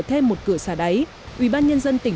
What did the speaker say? thêm một cửa xà đáy ubnd tỉnh